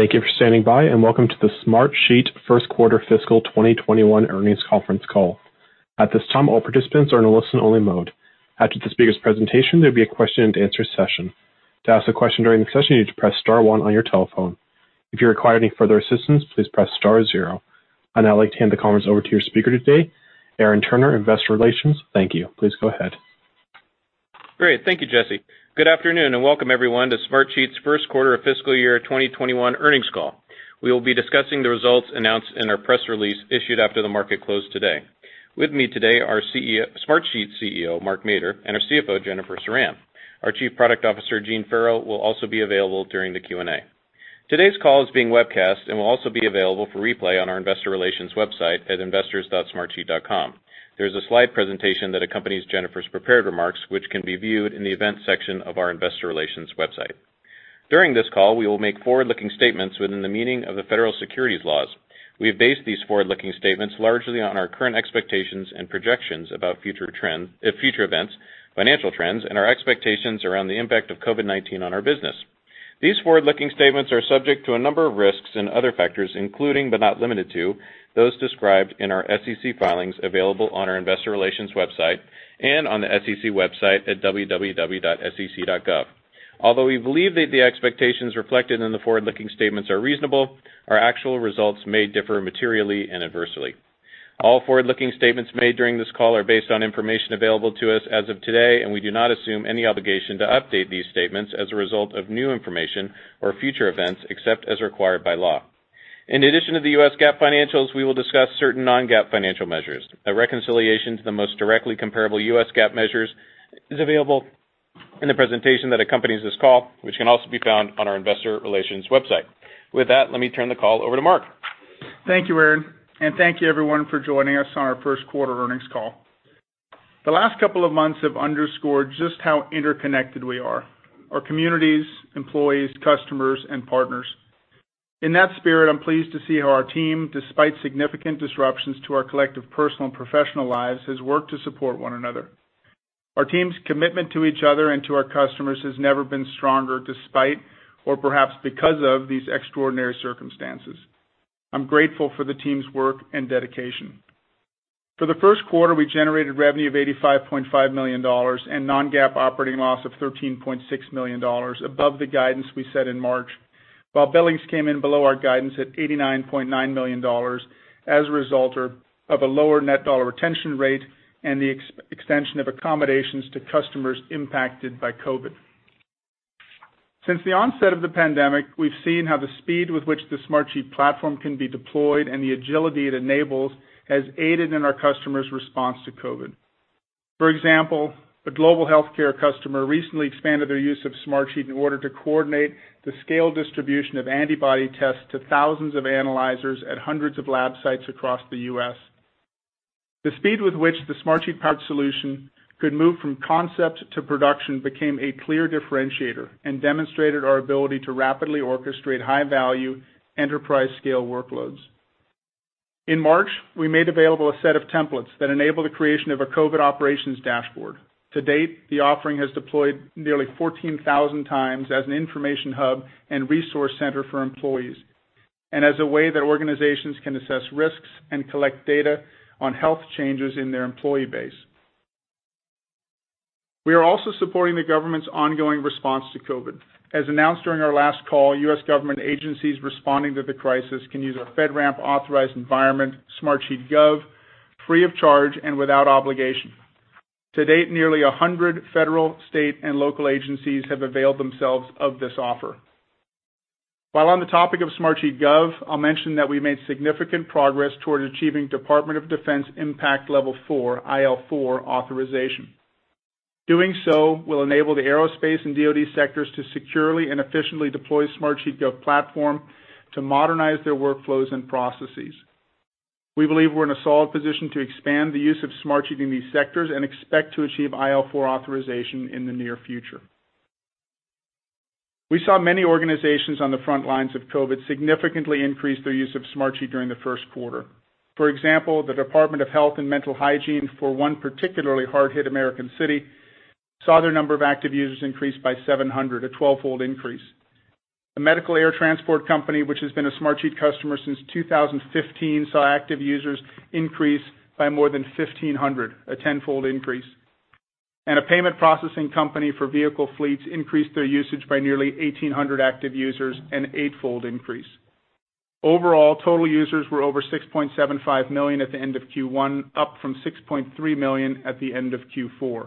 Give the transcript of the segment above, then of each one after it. Thank you for standing by, and welcome to the Smartsheet First Quarter Fiscal 2021 Earnings Conference Call. At this time, all participants are in a listen-only mode. After the speaker's presentation, there'll be a question and answer session. To ask a question during the session, you need to press star one on your telephone. If you require any further assistance, please press star zero. I'd now like to hand the conference over to your speaker today, Aaron Turner, Investor Relations. Thank you. Please go ahead. Great. Thank you, Jesse. Good afternoon, and welcome everyone to Smartsheet's first quarter of fiscal year 2021 earnings call. We will be discussing the results announced in our press release issued after the market closed today. With me today are Smartsheet CEO, Mark Mader, and our CFO, Jennifer Ceran. Our Chief Product Officer, Gene Farrell, will also be available during the Q&A. Today's call is being webcast and will also be available for replay on our investor relations website at investors.smartsheet.com. There's a slide presentation that accompanies Jennifer's prepared remarks, which can be viewed in the events section of our investor relations website. During this call, we will make forward-looking statements within the meaning of the federal securities laws. We have based these forward-looking statements largely on our current expectations and projections about future events, financial trends, and our expectations around the impact of COVID-19 on our business. These forward-looking statements are subject to a number of risks and other factors, including, but not limited to, those described in our SEC filings available on our investor relations website, and on the SEC website at www.sec.gov. Although we believe that the expectations reflected in the forward-looking statements are reasonable, our actual results may differ materially and adversely. All forward-looking statements made during this call are based on information available to us as of today, and we do not assume any obligation to update these statements as a result of new information or future events, except as required by law. In addition to the US GAAP financials, we will discuss certain non-GAAP financial measures. A reconciliation to the most directly comparable US GAAP measures is available in the presentation that accompanies this call, which can also be found on our investor relations website. With that, let me turn the call over to Mark. Thank you, Aaron, and thank you everyone for joining us on our first quarter earnings call. The last couple of months have underscored just how interconnected we are. Our communities, employees, customers, and partners. In that spirit, I'm pleased to see how our team, despite significant disruptions to our collective personal and professional lives, has worked to support one another. Our team's commitment to each other and to our customers has never been stronger, despite or perhaps because of these extraordinary circumstances. I'm grateful for the team's work and dedication. For the first quarter, we generated revenue of $85.5 million and non-GAAP operating loss of $13.6 million, above the guidance we set in March. While billings came in below our guidance at $89.9 million as a result of a lower net dollar retention rate and the extension of accommodations to customers impacted by COVID. Since the onset of the pandemic, we've seen how the speed with which the Smartsheet platform can be deployed, and the agility it enables, has aided in our customers' response to COVID. For example, a global healthcare customer recently expanded their use of Smartsheet in order to coordinate the scale distribution of antibody tests to thousands of analyzers at hundreds of lab sites across the U.S. The speed with which the Smartsheet powered solution could move from concept to production became a clear differentiator and demonstrated our ability to rapidly orchestrate high-value, enterprise-scale workloads. In March, we made available a set of templates that enable the creation of a COVID operations dashboard. To date, the offering has deployed nearly 14,000 times as an information hub and resource center for employees, and as a way that organizations can assess risks and collect data on health changes in their employee base. We are also supporting the government's ongoing response to COVID. As announced during our last call, U.S. government agencies responding to the crisis can use our FedRAMP-authorized environment, Smartsheet Gov, free of charge and without obligation. To date, nearly 100 federal, state, and local agencies have availed themselves of this offer. While on the topic of Smartsheet Gov, I'll mention that we made significant progress toward achieving Department of Defense Impact Level 4, IL4, authorization. Doing so will enable the aerospace and DoD sectors to securely and efficiently deploy Smartsheet Gov platform to modernize their workflows and processes. We believe we're in a solid position to expand the use of Smartsheet in these sectors and expect to achieve IL4 authorization in the near future. We saw many organizations on the front lines of COVID significantly increase their use of Smartsheet during the first quarter. For example, the Department of Health and Mental Hygiene for one particularly hard-hit American city saw their number of active users increase by 700, a twelvefold increase. A medical air transport company, which has been a Smartsheet customer since 2015, saw active users increase by more than 1,500, a tenfold increase. A payment processing company for vehicle fleets increased their usage by nearly 1,800 active users, an eightfold increase. Overall, total users were over 6.75 million at the end of Q1, up from 6.3 million at the end of Q4.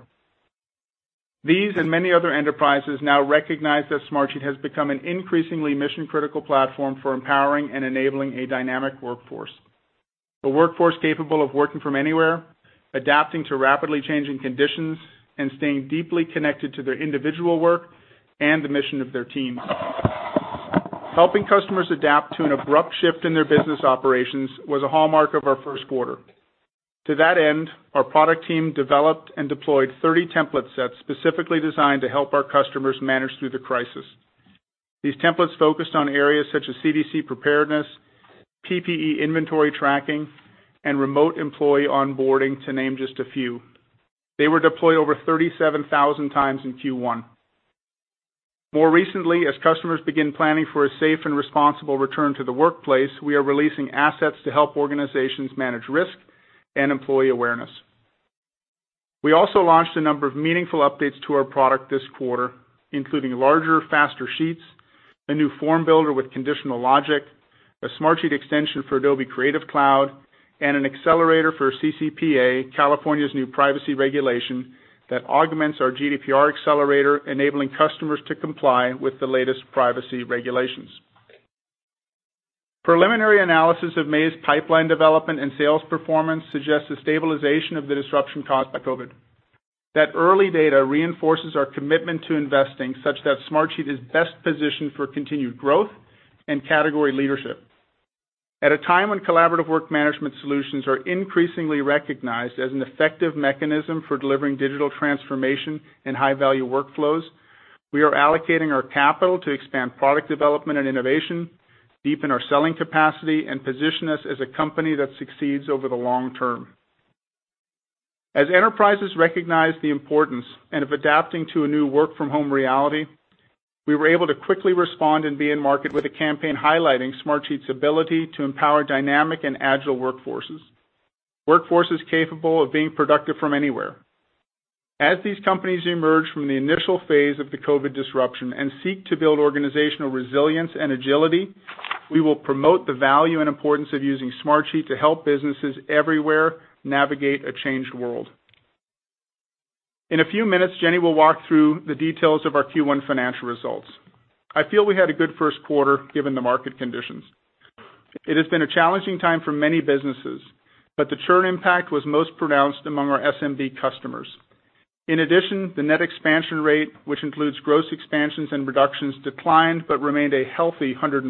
These and many other enterprises now recognize that Smartsheet has become an increasingly mission-critical platform for empowering and enabling a dynamic workforce. A workforce capable of working from anywhere, adapting to rapidly changing conditions, and staying deeply connected to their individual work and the mission of their teams. Helping customers adapt to an abrupt shift in their business operations was a hallmark of our first quarter. To that end, our product team developed and deployed 30 template sets specifically designed to help our customers manage through the crisis. These templates focused on areas such as CDC preparedness, PPE inventory tracking, and remote employee onboarding to name just a few. They were deployed over 37,000 times in Q1. More recently, as customers begin planning for a safe and responsible return to the workplace, we are releasing assets to help organizations manage risk and employee awareness. We also launched a number of meaningful updates to our product this quarter, including larger, faster sheets, a new form builder with conditional logic, a Smartsheet extension for Adobe Creative Cloud, and an accelerator for CCPA, California's new privacy regulation that augments our GDPR accelerator, enabling customers to comply with the latest privacy regulations. Preliminary analysis of May's pipeline development and sales performance suggests a stabilization of the disruption caused by COVID. That early data reinforces our commitment to investing such that Smartsheet is best positioned for continued growth and category leadership. At a time when collaborative work management solutions are increasingly recognized as an effective mechanism for delivering digital transformation and high-value workflows, we are allocating our capital to expand product development and innovation, deepen our selling capacity, and position us as a company that succeeds over the long term. Enterprises recognize the importance of adapting to a new work-from-home reality, we were able to quickly respond and be in market with a campaign highlighting Smartsheet's ability to empower dynamic and agile workforces capable of being productive from anywhere. As these companies emerge from the initial phase of the COVID disruption and seek to build organizational resilience and agility, we will promote the value and importance of using Smartsheet to help businesses everywhere navigate a changed world. In a few minutes, Jenny will walk through the details of our Q1 financial results. I feel we had a good first quarter given the market conditions. It has been a challenging time for many businesses, but the churn impact was most pronounced among our SMB customers. In addition, the net expansion rate, which includes gross expansions and reductions, declined but remained a healthy 140%.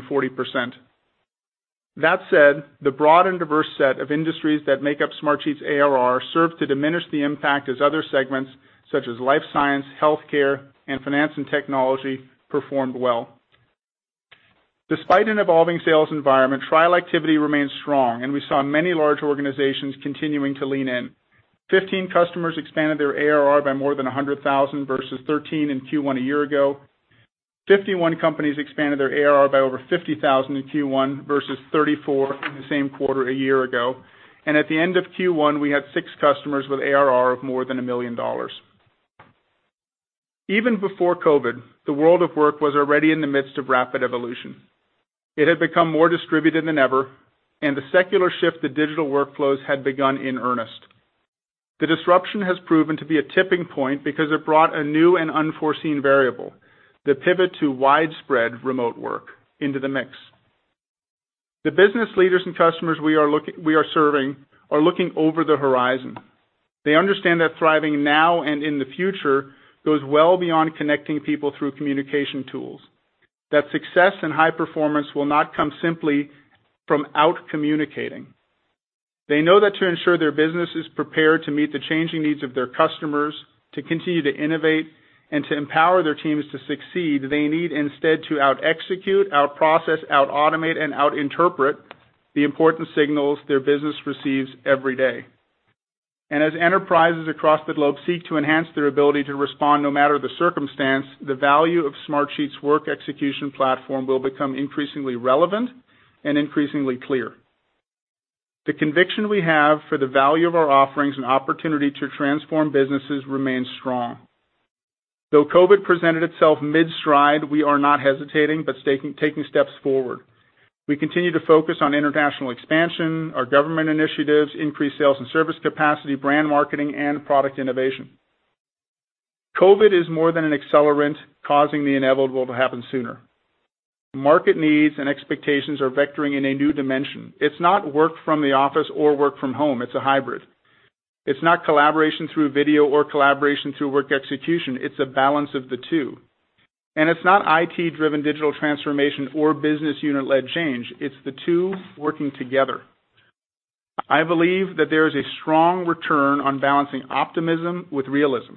That said, the broad and diverse set of industries that make up Smartsheet's ARR served to diminish the impact as other segments such as life science, healthcare, and finance and technology performed well. Despite an evolving sales environment, trial activity remains strong, and we saw many large organizations continuing to lean in. 15 customers expanded their ARR by more than $100,000 versus 13 in Q1 a year ago. 51 companies expanded their ARR by over $50,000 in Q1 versus 34 in the same quarter a year ago. At the end of Q1, we had six customers with ARR of more than $1 million. Even before COVID, the world of work was already in the midst of rapid evolution. It had become more distributed than ever, and the secular shift to digital workflows had begun in earnest. The disruption has proven to be a tipping point because it brought a new and unforeseen variable, the pivot to widespread remote work into the mix. The business leaders and customers we are serving are looking over the horizon. They understand that thriving now and in the future goes well beyond connecting people through communication tools. That success and high performance will not come simply from out-communicating. They know that to ensure their business is prepared to meet the changing needs of their customers, to continue to innovate, and to empower their teams to succeed, they need instead to out-execute, out-process, out-automate, and out-interpret the important signals their business receives every day. As enterprises across the globe seek to enhance their ability to respond no matter the circumstance, the value of Smartsheet's work execution platform will become increasingly relevant and increasingly clear. The conviction we have for the value of our offerings and opportunity to transform businesses remains strong. Though COVID presented itself mid-stride, we are not hesitating, but taking steps forward. We continue to focus on international expansion, our government initiatives, increased sales and service capacity, brand marketing, and product innovation. COVID is more than an accelerant, causing the inevitable to happen sooner. Market needs and expectations are vectoring in a new dimension. It's not work from the office or work from home. It's a hybrid. It's not collaboration through video or collaboration through work execution. It's a balance of the two. It's not IT-driven digital transformation or business unit-led change. It's the two working together. I believe that there is a strong return on balancing optimism with realism.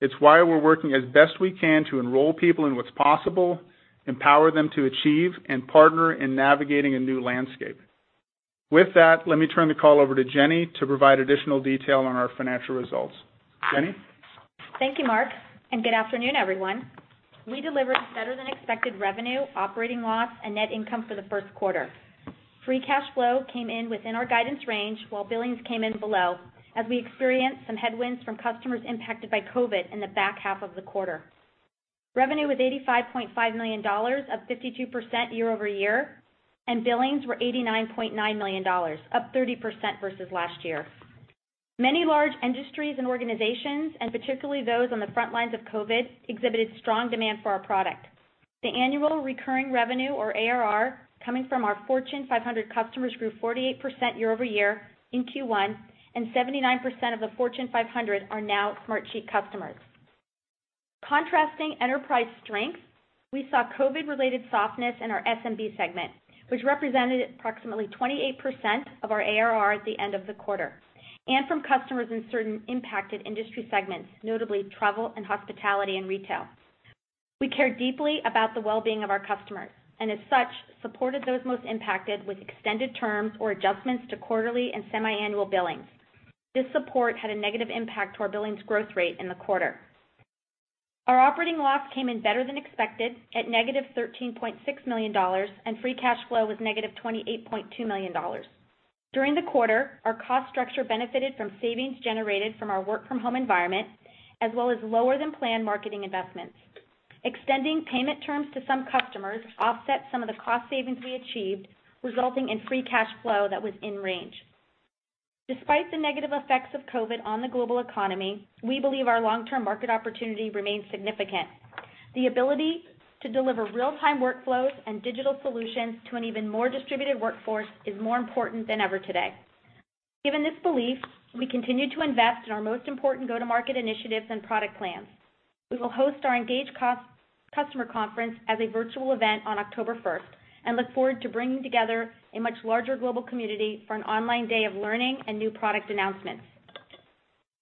It's why we're working as best we can to enroll people in what's possible, empower them to achieve, and partner in navigating a new landscape. With that, let me turn the call over to Jenny to provide additional detail on our financial results. Jenny? Thank you, Mark, and good afternoon, everyone. We delivered better-than-expected revenue, operating loss, and net income for the first quarter. Free cash flow came in within our guidance range, while billings came in below as we experienced some headwinds from customers impacted by COVID in the back half of the quarter. Revenue was $85.5 million, up 52% year over year, and billings were $89.9 million, up 30% versus last year. Many large industries and organizations, and particularly those on the front lines of COVID, exhibited strong demand for our product. The annual recurring revenue, or ARR, coming from our Fortune 500 customers grew 48% year over year in Q1, and 79% of the Fortune 500 are now Smartsheet customers. Contrasting enterprise strength, we saw COVID-related softness in our SMB segment, which represented approximately 28% of our ARR at the end of the quarter, and from customers in certain impacted industry segments, notably travel and hospitality and retail. We care deeply about the well-being of our customers, and as such, supported those most impacted with extended terms or adjustments to quarterly and semi-annual billings. This support had a negative impact to our billings growth rate in the quarter. Our operating loss came in better than expected at -$13.6 million, and free cash flow was -$28.2 million. During the quarter, our cost structure benefited from savings generated from our work-from-home environment, as well as lower-than-planned marketing investments. Extending payment terms to some customers offset some of the cost savings we achieved, resulting in free cash flow that was in range. Despite the negative effects of COVID on the global economy, we believe our long-term market opportunity remains significant. The ability to deliver real-time workflows and digital solutions to an even more distributed workforce is more important than ever today. Given this belief, we continue to invest in our most important go-to-market initiatives and product plans. We will host our ENGAGE Customer Conference as a virtual event on October 1st, and look forward to bringing together a much larger global community for an online day of learning and new product announcements.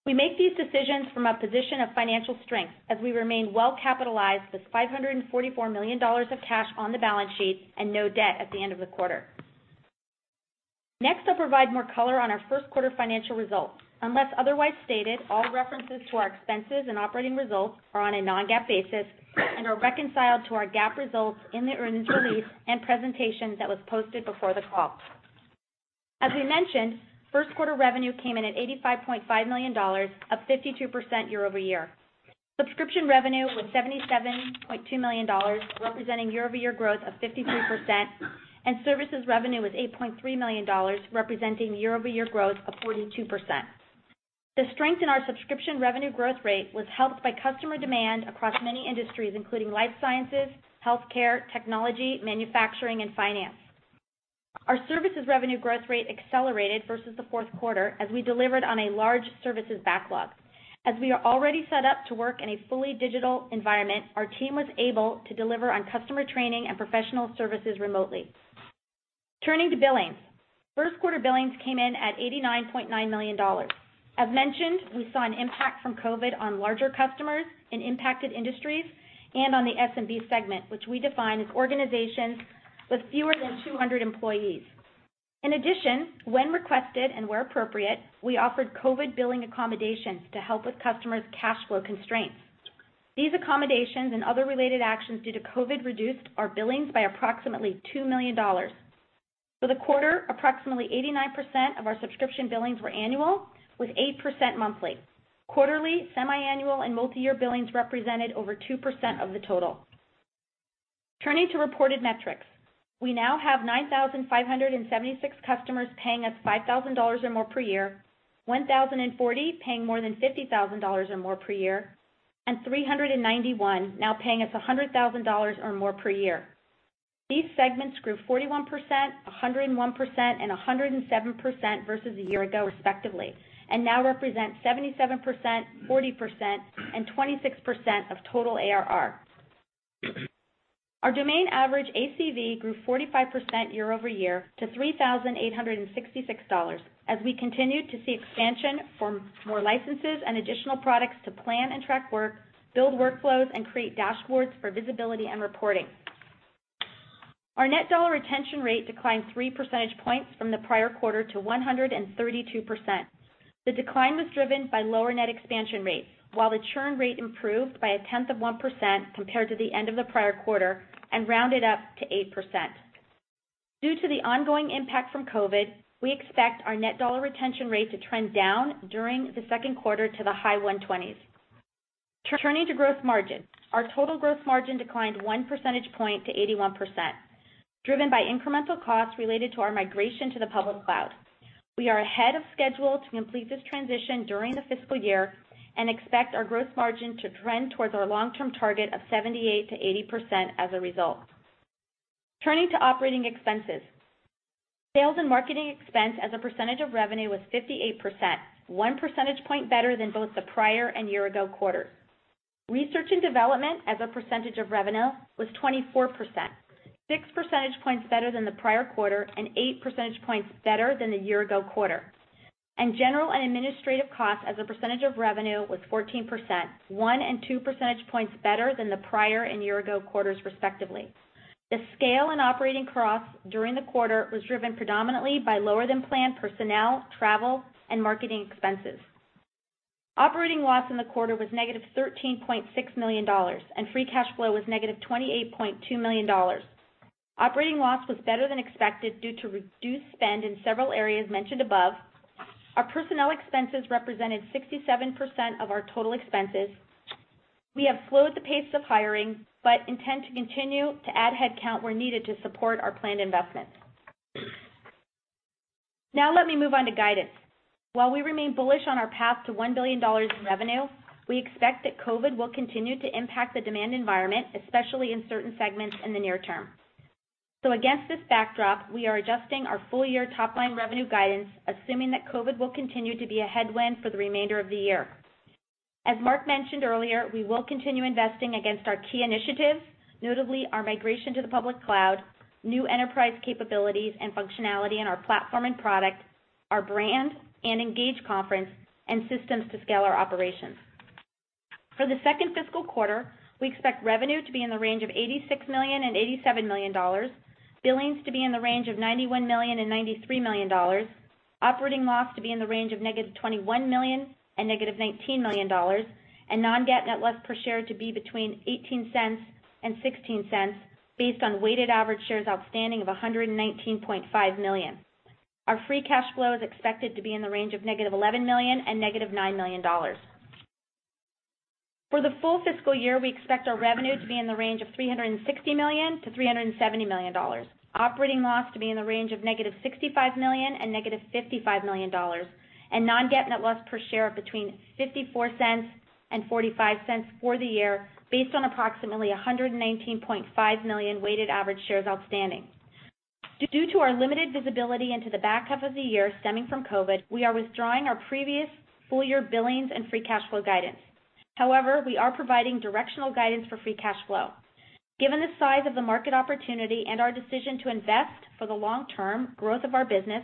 We make these decisions from a position of financial strength as we remain well-capitalized with $544 million of cash on the balance sheet and no debt at the end of the quarter. Next, I'll provide more color on our first quarter financial results. Unless otherwise stated, all references to our expenses and operating results are on a non-GAAP basis and are reconciled to our GAAP results in the earnings release and presentation that was posted before the call. As we mentioned, first quarter revenue came in at $85.5 million, up 52% year-over-year. Subscription revenue was $77.2 million, representing year-over-year growth of 53%, and services revenue was $8.3 million, representing year-over-year growth of 42%. The strength in our subscription revenue growth rate was helped by customer demand across many industries, including life sciences, healthcare, technology, manufacturing, and finance. Our services revenue growth rate accelerated versus the fourth quarter as we delivered on a large services backlog. As we are already set up to work in a fully digital environment, our team was able to deliver on customer training and professional services remotely. Turning to billings. First quarter billings came in at $89.9 million. As mentioned, we saw an impact from COVID on larger customers in impacted industries and on the SMB segment, which we define as organizations with fewer than 200 employees. In addition, when requested and where appropriate, we offered COVID billing accommodations to help with customers' cash flow constraints. These accommodations and other related actions due to COVID reduced our billings by approximately $2 million. For the quarter, approximately 89% of our subscription billings were annual, with 8% monthly. Quarterly, semi-annual, and multi-year billings represented over 2% of the total. Turning to reported metrics. We now have 9,576 customers paying us $5,000 or more per year, 1,040 paying more than $50,000 or more per year, and 391 now paying us $100,000 or more per year. These segments grew 41%, 101%, and 107% versus a year ago, respectively, and now represent 77%, 40%, and 26% of total ARR. Our domain average ACV grew 45% year over year to $3,866, as we continued to see expansion for more licenses and additional products to plan and track work, build workflows, and create dashboards for visibility and reporting. Our net dollar retention rate declined three percentage points from the prior quarter to 132%. The decline was driven by lower net expansion rates, while the churn rate improved by a tenth of 1% compared to the end of the prior quarter and rounded up to 8%. Due to the ongoing impact from COVID, we expect our net dollar retention rate to trend down during the second quarter to the high 120s. Turning to gross margin. Our total gross margin declined one percentage point to 81%, driven by incremental costs related to our migration to the public cloud. We are ahead of schedule to complete this transition during the fiscal year and expect our growth margin to trend towards our long-term target of 78%-80% as a result. Turning to operating expenses. Sales and marketing expense as a percentage of revenue was 58%, one percentage point better than both the prior and year-ago quarter. Research and development as a percentage of revenue was 24%, six percentage points better than the prior quarter and eight percentage points better than the year-ago quarter. General and administrative costs as a percentage of revenue was 14%, one and two percentage points better than the prior and year-ago quarters, respectively. The scale in operating costs during the quarter was driven predominantly by lower-than-planned personnel, travel, and marketing expenses. Operating loss in the quarter was -$13.6 million, and free cash flow was -$28.2 million. Operating loss was better than expected due to reduced spend in several areas mentioned above. Our personnel expenses represented 67% of our total expenses. We have slowed the pace of hiring, but intend to continue to add headcount where needed to support our planned investments. Now let me move on to guidance. While we remain bullish on our path to $1 billion in revenue, we expect that COVID will continue to impact the demand environment, especially in certain segments in the near term. Against this backdrop, we are adjusting our full-year top-line revenue guidance, assuming that COVID will continue to be a headwind for the remainder of the year. As Mark mentioned earlier, we will continue investing against our key initiatives, notably our migration to the public cloud, new enterprise capabilities and functionality in our platform and product, our ENGAGE conference and systems to scale our operations. For the second fiscal quarter, we expect revenue to be in the range of $86 million and $87 million, billings to be in the range of $91 million and $93 million, operating loss to be in the range of negative $21 million and negative $19 million, and non-GAAP net loss per share to be between $0.18 and $0.16 based on weighted average shares outstanding of 119.5 million. Our free cash flow is expected to be in the range of negative $11 million and negative $9 million. For the full fiscal year, we expect our revenue to be in the range of $360 million-$370 million, operating loss to be in the range of negative $65 million and negative $55 million, and non-GAAP net loss per share of between $0.54 and $0.45 for the year based on approximately 119.5 million weighted average shares outstanding. Due to our limited visibility into the back half of the year stemming from COVID, we are withdrawing our previous full-year billings and free cash flow guidance. We are providing directional guidance for free cash flow. Given the size of the market opportunity and our decision to invest for the long-term growth of our business,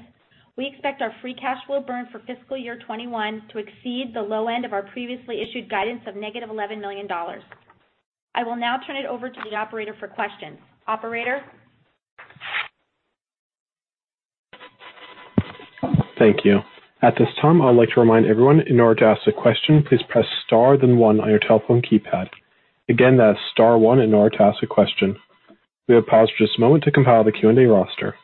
we expect our free cash flow burn for fiscal year 2021 to exceed the low end of our previously issued guidance of negative $11 million. I will now turn it over to the operator for questions. Operator? Thank you. At this time, I would like to remind everyone, in order to ask a question, please press star then one on your telephone keypad. Again, that is star one in order to ask a question. We will pause for just a moment to compile the Q&A roster.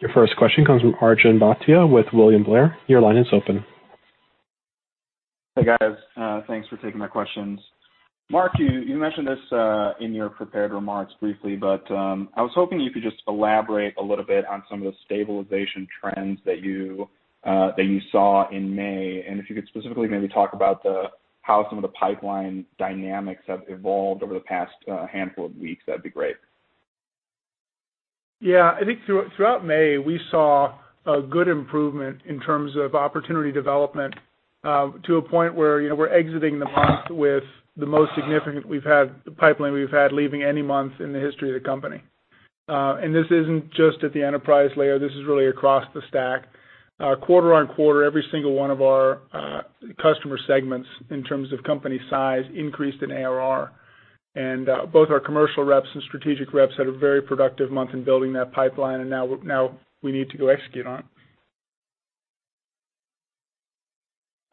Your first question comes from Arjun Bhatia with William Blair. Your line is open. Hey, guys. Thanks for taking my questions. Mark, you mentioned this in your prepared remarks briefly, but I was hoping you could just elaborate a little bit on some of the stabilization trends that you saw in May. If you could specifically maybe talk about how some of the pipeline dynamics have evolved over the past handful of weeks, that'd be great. Yeah. I think throughout May, we saw a good improvement in terms of opportunity development to a point where we're exiting the month with the most significant pipeline we've had leaving any month in the history of the company. This isn't just at the enterprise layer, this is really across the stack. Quarter-on-quarter, every single one of our customer segments in terms of company size increased in ARR. Both our commercial reps and strategic reps had a very productive month in building that pipeline, and now we need to go execute on it.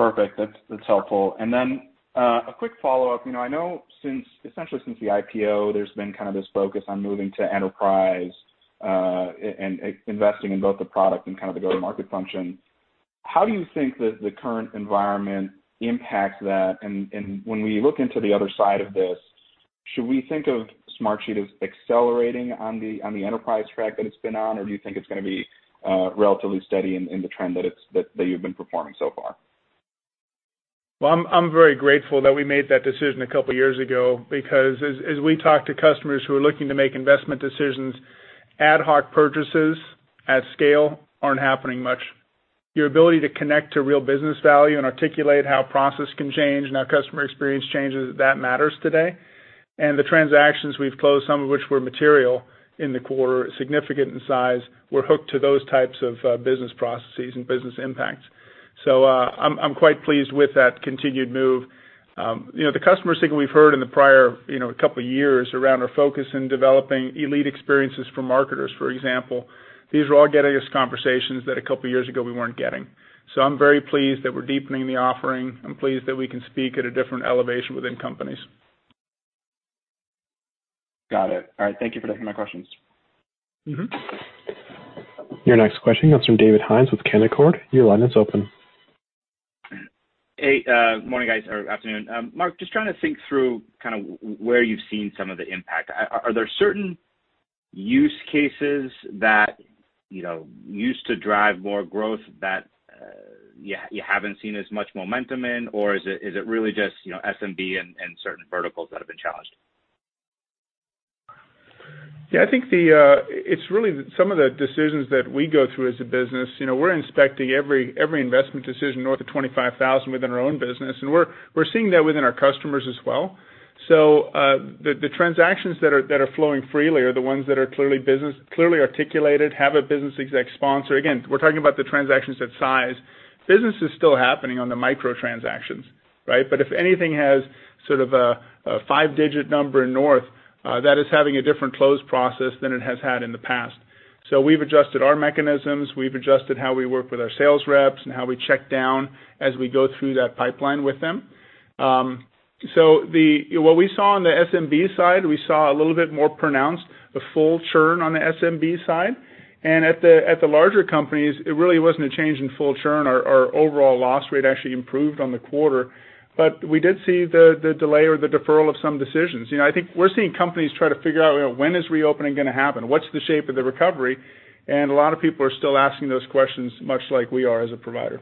Perfect. That's helpful. A quick follow-up. I know essentially since the IPO, there's been this focus on moving to enterprise, and investing in both the product and the go-to-market function. How do you think that the current environment impacts that? When we look into the other side of this, should we think of Smartsheet as accelerating on the enterprise track that it's been on, or do you think it's going to be relatively steady in the trend that you've been performing so far? Well, I'm very grateful that we made that decision a couple years ago because as we talk to customers who are looking to make investment decisions, ad hoc purchases at scale aren't happening much. Your ability to connect to real business value and articulate how process can change and how customer experience changes, that matters today. And the transactions we've closed, some of which were material in the quarter, significant in size, were hooked to those types of business processes and business impacts. I'm quite pleased with that continued move. The customer signal we've heard in the prior couple of years around our focus in developing elite experiences for marketers, for example, these are all getting us conversations that a couple of years ago we weren't getting. I'm very pleased that we're deepening the offering. I'm pleased that we can speak at a different elevation within companies. Got it. All right. Thank you for taking my questions. Your next question comes from David Hynes with Canaccord. Your line is open. Hey. Morning, guys, or afternoon. Mark, just trying to think through where you've seen some of the impact. Are there certain use cases that used to drive more growth that you haven't seen as much momentum in, or is it really just SMB and certain verticals that have been challenged? I think it's really some of the decisions that we go through as a business. We're inspecting every investment decision north of $25,000 within our own business, and we're seeing that within our customers as well. The transactions that are flowing freely are the ones that are clearly articulated, have a business exec sponsor. Again, we're talking about the transactions at size. Business is still happening on the micro transactions, right? If anything has sort of a five digit number north, that is having a different close process than it has had in the past. We've adjusted our mechanisms, we've adjusted how we work with our sales reps and how we check down as we go through that pipeline with them. What we saw on the SMB side, we saw a little bit more pronounced, the full churn on the SMB side. At the larger companies, it really wasn't a change in full churn. Our overall loss rate actually improved on the quarter, but we did see the delay or the deferral of some decisions. I think we're seeing companies try to figure out when is reopening gonna happen, what's the shape of the recovery, and a lot of people are still asking those questions, much like we are as a provider.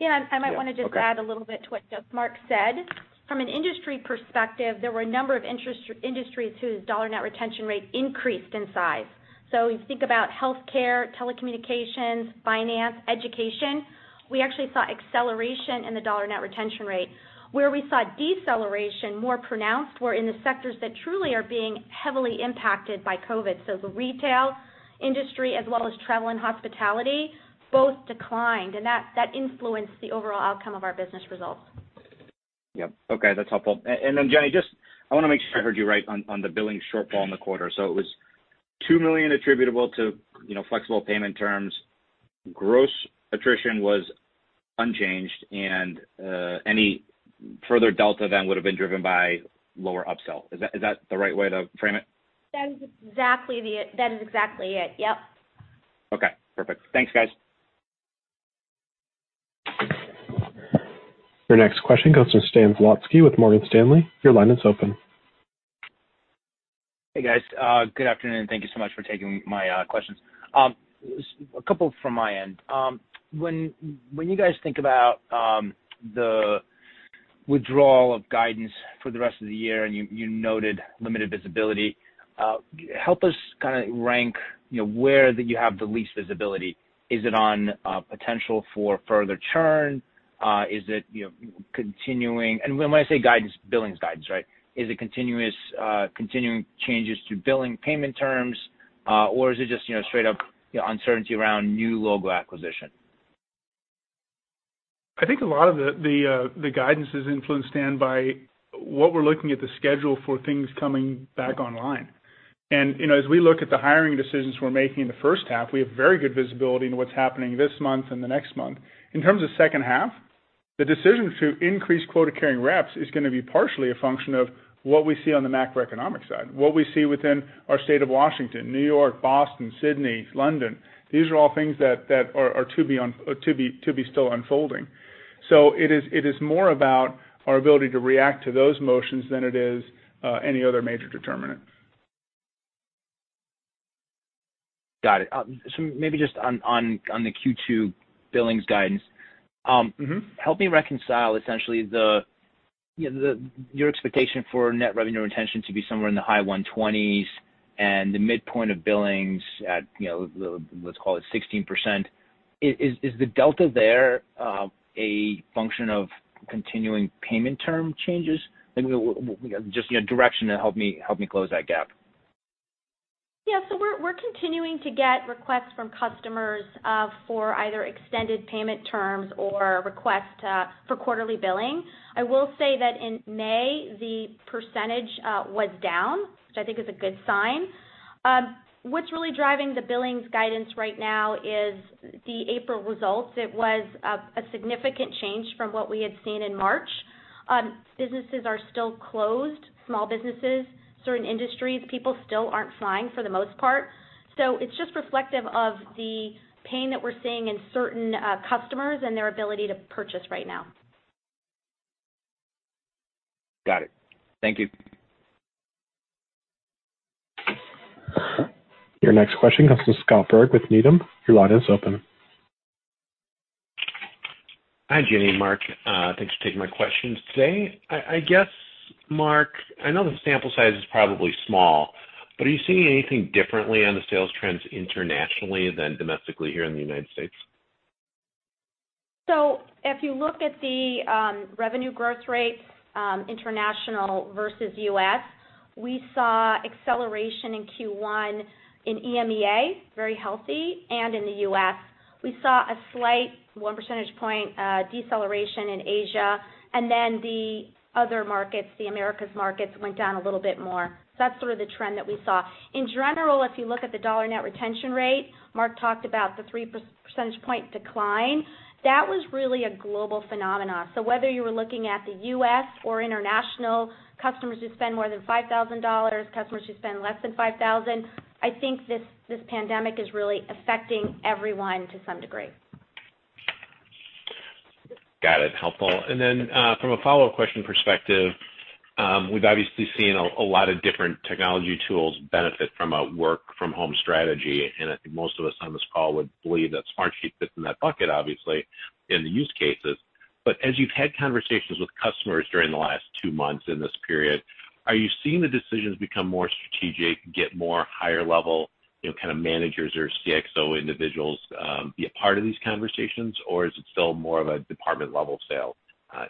Yeah, I might want to just add a little bit to what Mark said. From an industry perspective, there were a number of industries whose net dollar retention rate increased in size. You think about healthcare, telecommunications, finance, education. We actually saw acceleration in the net dollar retention rate. Where we saw deceleration more pronounced were in the sectors that truly are being heavily impacted by COVID. The retail industry, as well as travel and hospitality, both declined, and that influenced the overall outcome of our business results. Yep. Okay, that's helpful. Then Jenny, I want to make sure I heard you right on the billing shortfall in the quarter. It was $2 million attributable to flexible payment terms. Gross attrition was unchanged. Any further delta then would've been driven by lower upsell. Is that the right way to frame it? That is exactly it. Yep. Okay, perfect. Thanks, guys. Your next question comes from Stan Zlotsky with Morgan Stanley. Your line is open. Hey, guys. Good afternoon. Thank you so much for taking my questions. A couple from my end. When you guys think about the withdrawal of guidance for the rest of the year, and you noted limited visibility, help us kind of rank where you have the least visibility. Is it on potential for further churn? When I say guidance, billings guidance, right? Is it continuing changes to billing payment terms, or is it just straight up uncertainty around new logo acquisition? I think a lot of the guidance is influenced, Stan, by what we're looking at the schedule for things coming back online. As we look at the hiring decisions we're making in the first half, we have very good visibility into what's happening this month and the next month. In terms of second half, the decision to increase quota-carrying reps is going to be partially a function of what we see on the macroeconomic side, what we see within our state of Washington, New York, Boston, Sydney, London. These are all things that are to be still unfolding. It is more about our ability to react to those motions than it is any other major determinant. Got it. Maybe just on the Q2 billings guidance. Help me reconcile essentially your expectation for net revenue retention to be somewhere in the high 120s and the midpoint of billings at, let's call it 16%. Is the delta there a function of continuing payment term changes? Just direction to help me close that gap. We're continuing to get requests from customers for either extended payment terms or requests for quarterly billing. I will say that in May, the percentage was down, which I think is a good sign. What's really driving the billings guidance right now is the April results. It was a significant change from what we had seen in March. Businesses are still closed, small businesses, certain industries, people still aren't flying for the most part. It's just reflective of the pain that we're seeing in certain customers and their ability to purchase right now. Got it. Thank you. Your next question comes from Scott Berg with Needham. Your line is open. Hi, Jenny and Mark. Thanks for taking my questions today. I guess, Mark, I know the sample size is probably small, but are you seeing anything differently on the sales trends internationally than domestically here in the U.S.? If you look at the revenue growth rates, international versus U.S., we saw acceleration in Q1 in EMEA, very healthy, and in the U.S. We saw a slight one percentage point deceleration in Asia. The other markets, the Americas markets, went down a little bit more. That's sort of the trend that we saw. In general, if you look at the net dollar retention rate, Mark talked about the three percentage point decline. That was really a global phenomenon. Whether you were looking at the U.S. or international customers who spend more than $5,000, customers who spend less than $5,000, I think this pandemic is really affecting everyone to some degree. Got it. Helpful. Then, from a follow-up question perspective, we've obviously seen a lot of different technology tools benefit from a work from home strategy, and I think most of us on this call would believe that Smartsheet fits in that bucket, obviously, in the use cases. As you've had conversations with customers during the last two months in this period, are you seeing the decisions become more strategic, get more higher level kind of managers or CXO individuals be a part of these conversations, or is it still more of a department-level sale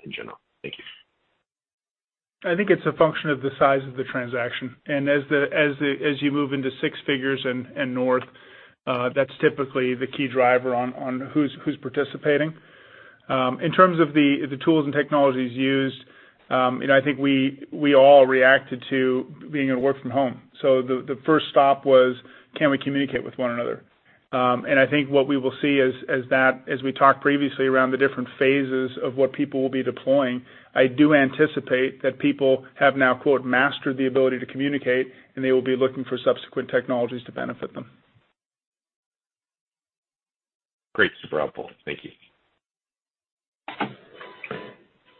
in general? Thank you. I think it's a function of the size of the transaction. As you move into six figures and north, that's typically the key driver on who's participating. In terms of the tools and technologies used, I think we all reacted to being able to work from home. The first stop was, can we communicate with one another? I think what we will see as we talked previously around the different phases of what people will be deploying, I do anticipate that people have now "mastered" the ability to communicate, and they will be looking for subsequent technologies to benefit them. Great. Super helpful. Thank you.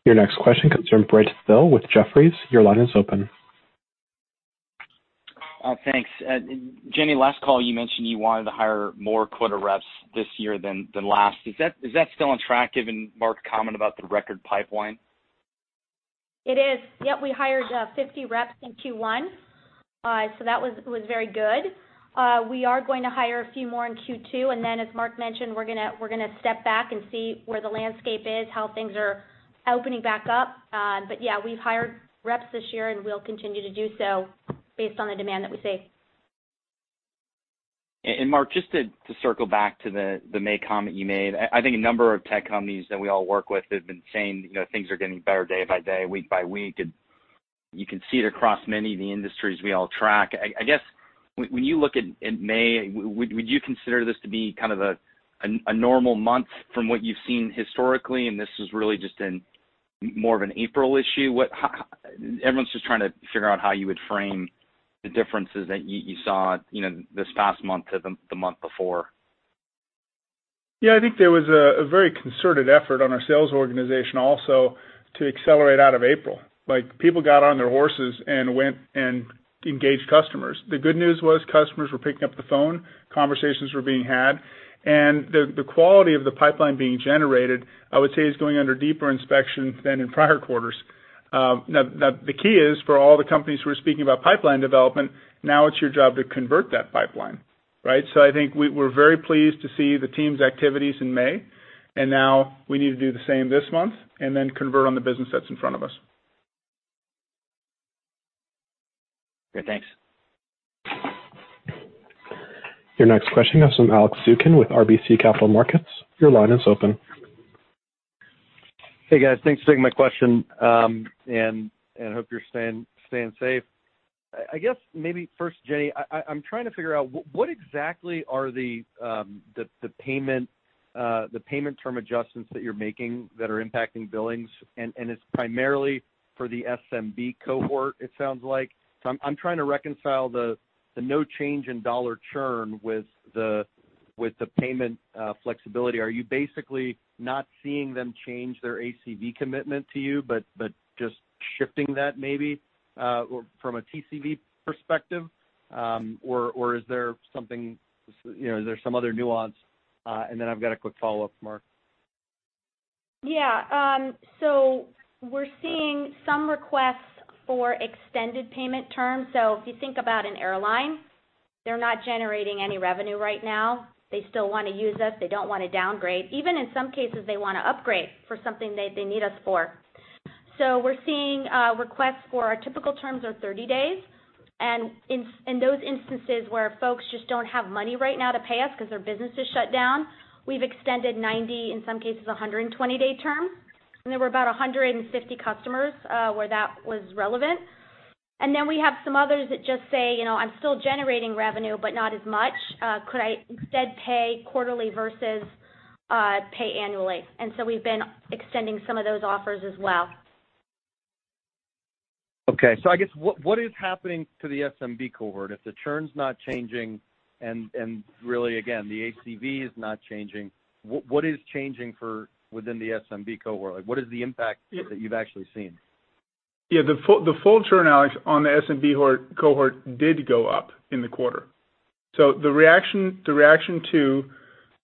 Your next question comes from Brent Thill with Jefferies. Your line is open. Thanks. Jenny, last call you mentioned you wanted to hire more quota reps this year than last. Is that still on track given Mark comment about the record pipeline? It is. Yes, we hired 50 reps in Q1. That was very good. We are going to hire a few more in Q2. Then as Mark mentioned, we're going to step back and see where the landscape is, how things are opening back up. Yes, we've hired reps this year, and we'll continue to do so based on the demand that we see. Mark, just to circle back to the May comment you made. I think a number of tech companies that we all work with have been saying things are getting better day by day, week by week, and you can see it across many of the industries we all track. When you look in May, would you consider this to be kind of a normal month from what you've seen historically, and this is really just more of an April issue? Everyone's just trying to figure out how you would frame the differences that you saw this past month to the month before. Yeah, I think there was a very concerted effort on our sales organization also to accelerate out of April. People got on their horses and went and engaged customers. The good news was customers were picking up the phone, conversations were being had. The quality of the pipeline being generated, I would say, is going under deeper inspection than in prior quarters. Now, the key is for all the companies who are speaking about pipeline development, now it's your job to convert that pipeline. Right? I think we're very pleased to see the team's activities in May, and now we need to do the same this month and then convert on the business that's in front of us. Great. Thanks. Your next question comes from Alex Zukin with RBC Capital Markets. Your line is open. Hey, guys. Thanks for taking my question, and hope you're staying safe. I guess maybe first, Jenny, I'm trying to figure out what exactly are the payment term adjustments that you're making that are impacting billings. It's primarily for the SMB cohort, it sounds like. I'm trying to reconcile the no change in dollar churn with the payment flexibility. Are you basically not seeing them change their ACV commitment to you but just shifting that maybe from a TCV perspective? Is there some other nuance? Then I've got a quick follow-up for Mark. Yeah. We're seeing some requests for extended payment terms. If you think about an airline, they're not generating any revenue right now. They still want to use us. They don't want to downgrade. Even in some cases, they want to upgrade for something that they need us for. We're seeing requests for our typical terms are 30 days, and in those instances where folks just don't have money right now to pay us because their business is shut down, we've extended 90, in some cases, 120-day terms. There were about 150 customers where that was relevant. We have some others that just say, "I'm still generating revenue, but not as much. Could I instead pay quarterly versus pay annually?" We've been extending some of those offers as well. Okay. I guess what is happening to the SMB cohort? If the churn's not changing, and really, again, the ACV is not changing, what is changing within the SMB cohort? What is the impact that you've actually seen? Yeah. The full churn, Alex, on the SMB cohort did go up in the quarter. The reaction to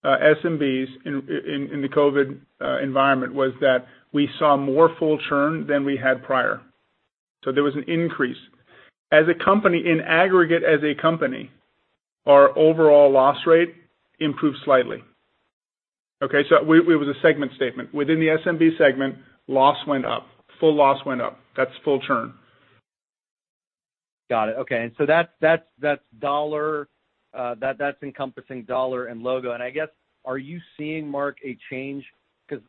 SMBs in the COVID environment was that we saw more full churn than we had prior. There was an increase. In aggregate as a company, our overall loss rate improved slightly. Okay? It was a segment statement. Within the SMB segment, loss went up. Full loss went up. That's full churn. Got it. Okay. That's encompassing dollar and logo. I guess, are you seeing, Mark, a change in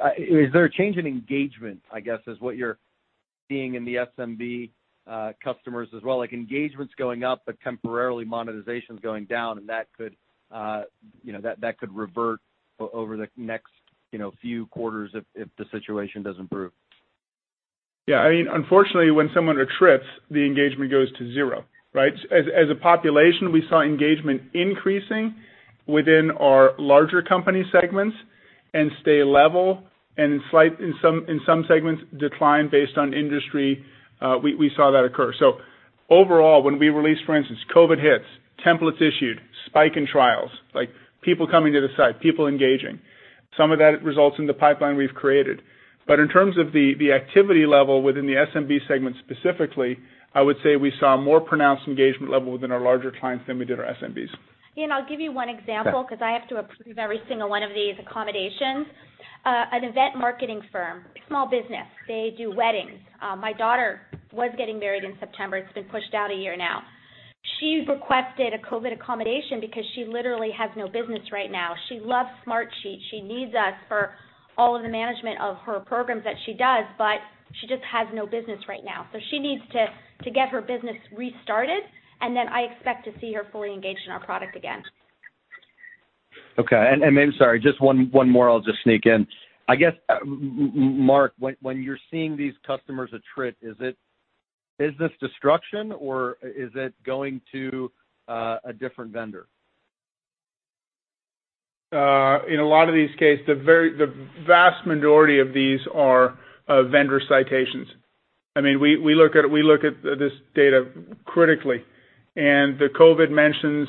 engagement, I guess, is what you're seeing in the SMB customers as well? Like engagement's going up, but temporarily monetization's going down, and that could revert over the next few quarters if the situation doesn't improve. Yeah. Unfortunately, when someone attrits, the engagement goes to zero, right? As a population, we saw engagement increasing within our larger company segments and stay level, and in some segments decline based on industry. We saw that occur. Overall, when we released, for instance, COVID hits, templates issued, spike in trials, people coming to the site, people engaging. Some of that results in the pipeline we've created. In terms of the activity level within the SMB segment specifically, I would say we saw a more pronounced engagement level within our larger clients than we did our SMBs. I'll give you one example because I have to approve every single one of these accommodations. An event marketing firm, a small business, they do weddings. My daughter was getting married in September. It's been pushed out a year now. She requested a COVID accommodation because she literally has no business right now. She loves Smartsheet. She needs us for all of the management of her programs that she does, but she just has no business right now. She needs to get her business restarted, and then I expect to see her fully engaged in our product again. Okay. Maybe, sorry, just one more I'll just sneak in. I guess, Mark, when you're seeing these customers attrit, is it business destruction, or is it going to a different vendor? In a lot of these cases, the vast majority of these are vendor cessations. We look at this data critically. The COVID mentions,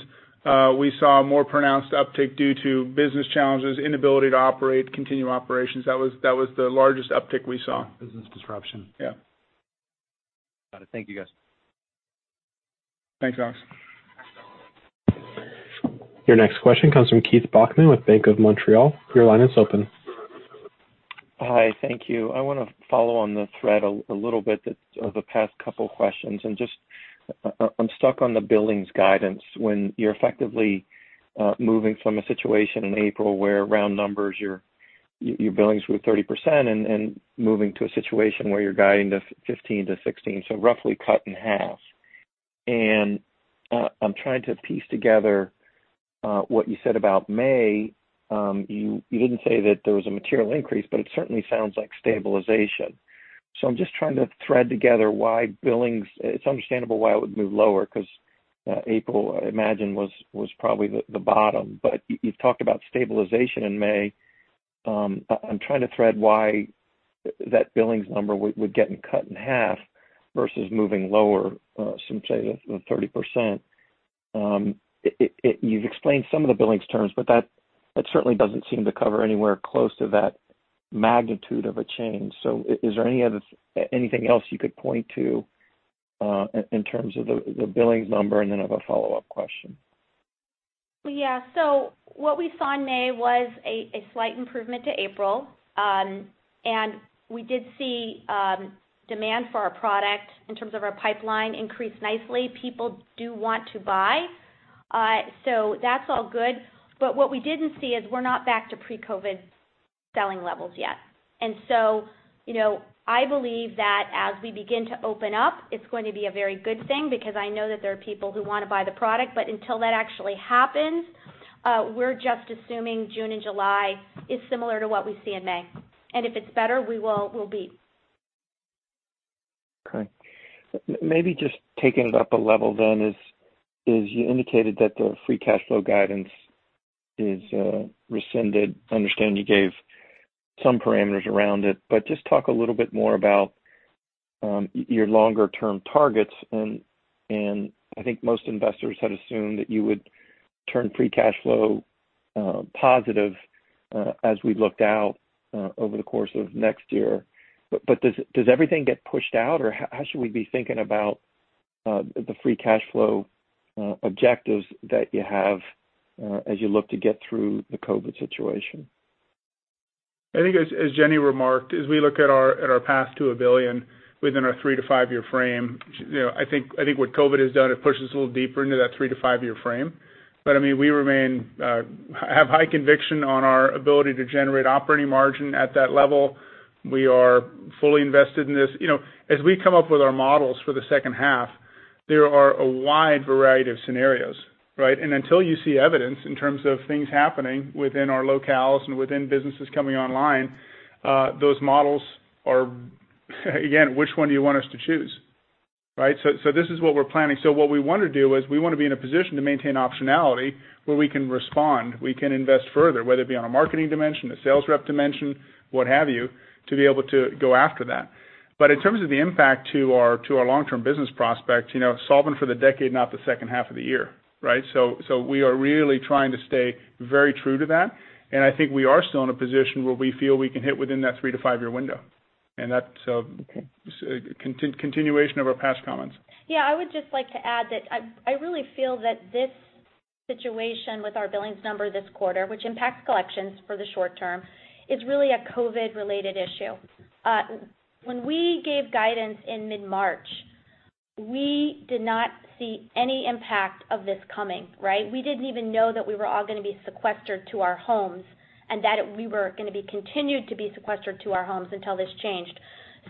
we saw a more pronounced uptick due to business challenges, inability to operate, continue operations. That was the largest uptick we saw. Business disruption. Yeah. Got it. Thank you, guys. Thanks, Alex. Your next question comes from Keith Bachman with Bank of Montreal. Your line is open. Hi. Thank you. I want to follow on the thread a little bit of the past couple questions. I'm stuck on the billings guidance. When you're effectively moving from a situation in April where round numbers, your billings were 30%, and moving to a situation where you're guiding to 15%-16%, so roughly cut in half. I'm trying to piece together what you said about May. You didn't say that there was a material increase, but it certainly sounds like stabilization. I'm just trying to thread together why it's understandable why it would move lower, because April, I imagine, was probably the bottom. You've talked about stabilization in May. I'm trying to thread why that billings number would get cut in half versus moving lower, say, 30%. You've explained some of the billings terms, but that certainly doesn't seem to cover anywhere close to that magnitude of a change. Is there anything else you could point to in terms of the billings number? I have a follow-up question. What we saw in May was a slight improvement to April. We did see demand for our product in terms of our pipeline increase nicely. People do want to buy. That's all good. What we didn't see is we're not back to pre-COVID selling levels yet. I believe that as we begin to open up, it's going to be a very good thing because I know that there are people who want to buy the product, but until that actually happens, we're just assuming June and July is similar to what we see in May. If it's better, we'll beat. Okay. Maybe just taking it up a level then is, you indicated that the free cash flow guidance is rescinded. I understand you gave some parameters around it, just talk a little bit more about your longer-term targets, and I think most investors had assumed that you would turn free cash flow positive as we looked out over the course of next year. Does everything get pushed out, or how should we be thinking about the free cash flow objectives that you have as you look to get through the COVID situation? I think as Jenny remarked, as we look at our path to $1 billion within our three to five year frame, I think what COVID has done, it pushed us a little deeper into that three to five year frame. We have high conviction on our ability to generate operating margin at that level. We are fully invested in this. As we come up with our models for the second half, there are a wide variety of scenarios, right? Until you see evidence in terms of things happening within our locales and within businesses coming online, those models are, again, which one do you want us to choose, right? This is what we're planning. What we want to do is we want to be in a position to maintain optionality where we can respond, we can invest further, whether it be on a marketing dimension, a sales rep dimension, what have you, to be able to go after that. In terms of the impact to our long-term business prospects, solving for the decade, not the second half of the year, right? We are really trying to stay very true to that, and I think we are still in a position where we feel we can hit within that three to five year window. That's a continuation of our past comments. I would just like to add that I really feel that this situation with our billings number this quarter, which impacts collections for the short term, is really a COVID-related issue. When we gave guidance in mid-March, we did not see any impact of this coming, right? We didn't even know that we were all going to be sequestered to our homes, and that we were going to be continued to be sequestered to our homes until this changed.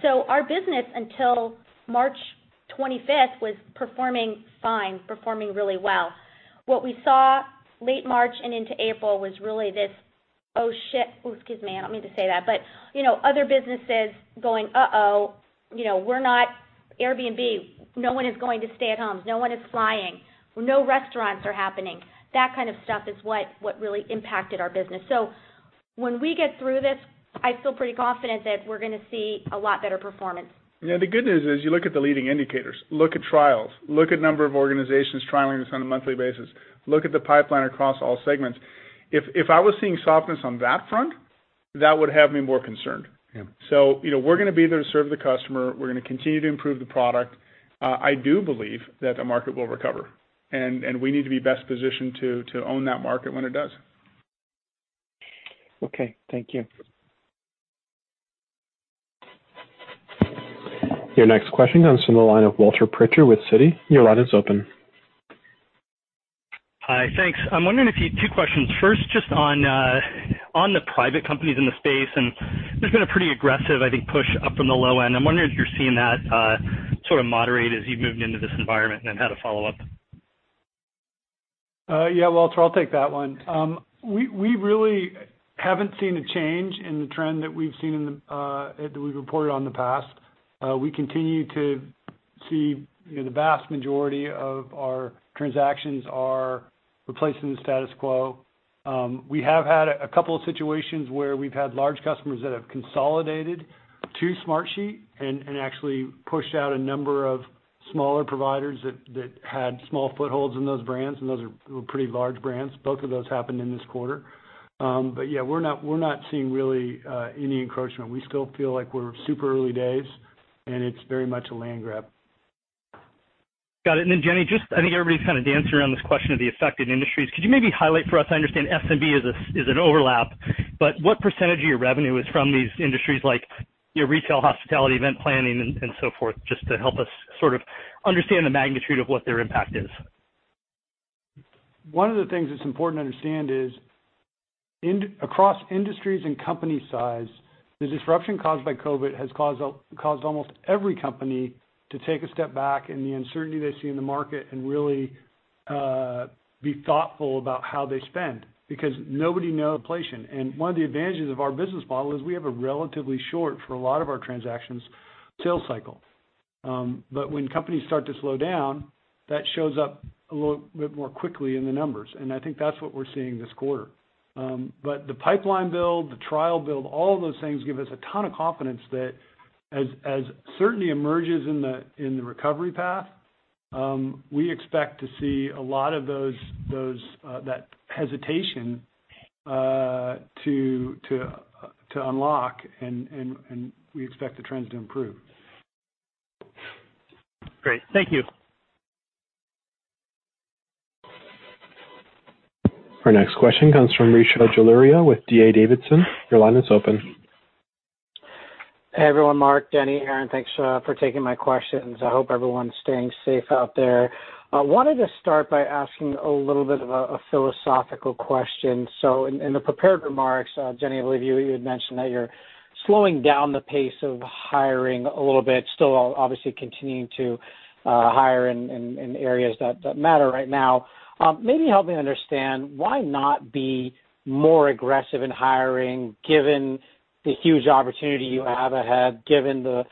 Our business, until March 25th, was performing fine, performing really well. What we saw late March and into April was really this, oh, shit. Excuse me, I don't mean to say that, but other businesses going, uh-oh, we're not Airbnb. No one is going to stay at homes. No one is flying. No restaurants are happening. That kind of stuff is what really impacted our business. When we get through this, I feel pretty confident that we're going to see a lot better performance. Yeah, the good news is you look at the leading indicators. Look at trials. Look at number of organizations trialing this on a monthly basis. Look at the pipeline across all segments. If I was seeing softness on that front, that would have me more concerned. Yeah. We're going to be there to serve the customer. We're going to continue to improve the product. I do believe that the market will recover, and we need to be best positioned to own that market when it does. Okay. Thank you. Your next question comes from the line of Walter Pritchard with Citi. Your line is open. Hi. Thanks. Two questions. First, just on the private companies in the space, and there's been a pretty aggressive, I think, push up from the low end. I'm wondering if you're seeing that sort of moderate as you've moved into this environment, and I have a follow-up. Yeah, Walter, I'll take that one. We really haven't seen a change in the trend that we've reported on the past. We continue to see the vast majority of our transactions are replacing the status quo. We have had a couple of situations where we've had large customers that have consolidated to Smartsheet and actually pushed out a number of smaller providers that had small footholds in those brands, and those were pretty large brands. Both of those happened in this quarter. Yeah, we're not seeing really any encroachment. We still feel like we're super early days, and it's very much a land grab. Got it. Jenny, just I think everybody's kind of dancing around this question of the affected industries. Could you maybe highlight for us? I understand SMB is an overlap, but what percentage of your revenue is from these industries like your retail, hospitality, event planning, and so forth, just to help us sort of understand the magnitude of what their impact is? One of the things that's important to understand is across industries and company size, the disruption caused by COVID has caused almost every company to take a step back in the uncertainty they see in the market and really be thoughtful about how they spend, because nobody know inflation. One of the advantages of our business model is we have a relatively short, for a lot of our transactions, sales cycle. When companies start to slow down, that shows up a little bit more quickly in the numbers, and I think that's what we're seeing this quarter. The pipeline build, the trial build, all of those things give us a ton of confidence that as certainty emerges in the recovery path, we expect to see a lot of that hesitation to unlock, and we expect the trends to improve. Great. Thank you. Our next question comes from Rishi Jaluria with D.A. Davidson. Your line is open. Hey, everyone. Mark, Jenny, Aaron, thanks for taking my questions. I hope everyone's staying safe out there. I wanted to start by asking a little bit of a philosophical question. In the prepared remarks, Jenny, I believe you had mentioned that you're slowing down the pace of hiring a little bit, still obviously continuing to hire in areas that matter right now. Maybe help me understand why not be more aggressive in hiring given the huge opportunity you have ahead, given the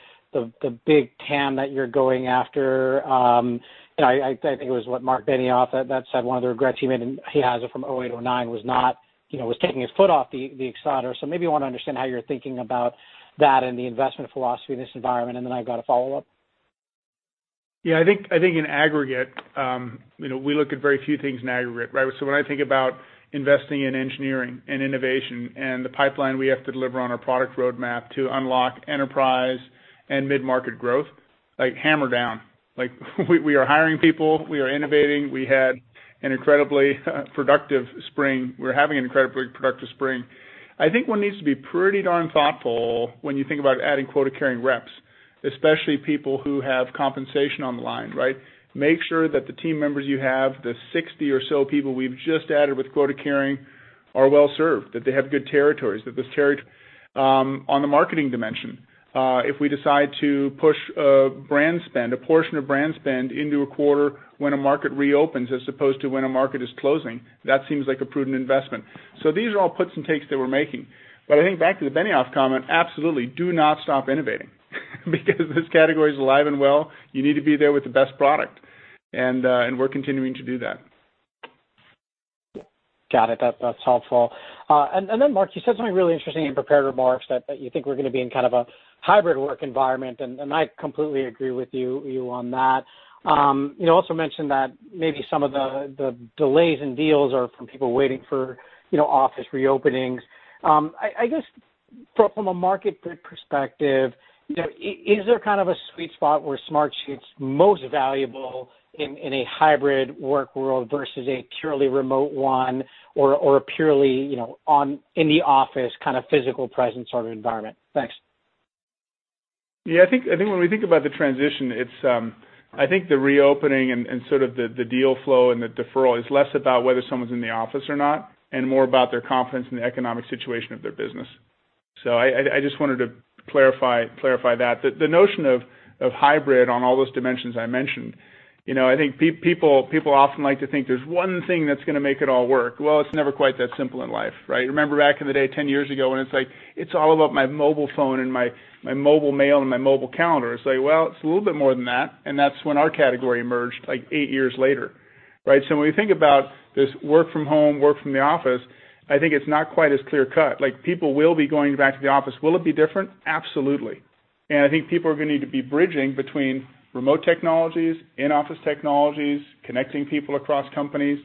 big TAM that you're going after. I think it was what Marc Benioff that said one of the regrets he made and he has it from '08, '09 was taking his foot off the accelerator. Maybe I want to understand how you're thinking about that and the investment philosophy in this environment. I've got a follow-up. I think in aggregate, we look at very few things in aggregate, right? When I think about investing in engineering and innovation and the pipeline we have to deliver on our product roadmap to unlock enterprise and mid-market growth, like hammer down. We are hiring people. We are innovating. We had an incredibly productive spring. We're having an incredibly productive spring. I think one needs to be pretty darn thoughtful when you think about adding quota-carrying reps, especially people who have compensation on the line, right? Make sure that the team members you have, the 60 or so people we've just added with quota carrying are well-served, that they have good territories. If we decide to push a brand spend, a portion of brand spend into a quarter when a market reopens as opposed to when a market is closing, that seems like a prudent investment. These are all puts and takes that we're making. I think back to the Benioff comment, absolutely do not stop innovating because this category is alive and well. You need to be there with the best product, and we're continuing to do that. Got it. That's helpful. Mark, you said something really interesting in prepared remarks that you think we're going to be in kind of a hybrid work environment, and I completely agree with you on that. You also mentioned that maybe some of the delays in deals are from people waiting for office reopenings. I guess from a market fit perspective, is there kind of a sweet spot where Smartsheet's most valuable in a hybrid work world versus a purely remote one or a purely in the office kind of physical presence sort of environment? Thanks. Yeah, I think when we think about the transition, I think the reopening and sort of the deal flow and the deferral is less about whether someone's in the office or not, and more about their confidence in the economic situation of their business. I just wanted to clarify that. The notion of hybrid on all those dimensions I mentioned, I think people often like to think there's one thing that's going to make it all work. Well, it's never quite that simple in life, right? Remember back in the day, 10 years ago when it's like, "It's all about my mobile phone and my mobile mail and my mobile calendar." It's like, well, it's a little bit more than that, and that's when our category emerged, like eight years later, right? When we think about this work from home, work from the office, I think it's not quite as clear-cut. People will be going back to the office. Will it be different? Absolutely. I think people are going to need to be bridging between remote technologies, in-office technologies, connecting people across companies.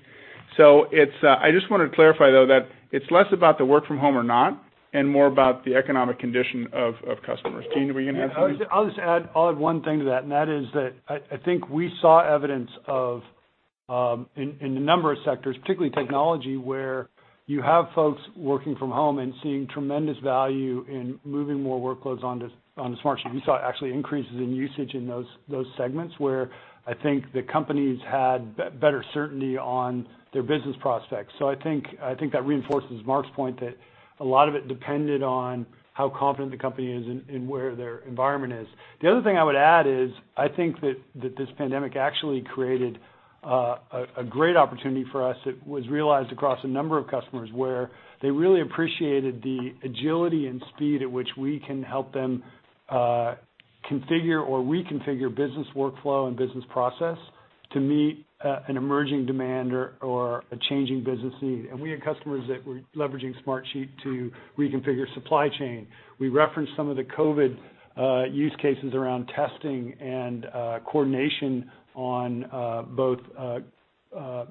I just wanted to clarify, though, that it's less about the work from home or not, and more about the economic condition of customers. Gene, will you enhance that? I'll just add one thing to that, and that is that I think we saw evidence in the number of sectors, particularly technology, where you have folks working from home and seeing tremendous value in moving more workloads onto Smartsheet. We saw actually increases in usage in those segments where I think the companies had better certainty on their business prospects. I think that reinforces Mark's point that a lot of it depended on how confident the company is in where their environment is. The other thing I would add is I think that this pandemic actually created a great opportunity for us that was realized across a number of customers, where they really appreciated the agility and speed at which we can help them configure or reconfigure business workflow and business process to meet an emerging demand or a changing business need. We had customers that were leveraging Smartsheet to reconfigure supply chain. We referenced some of the COVID use cases around testing and coordination on both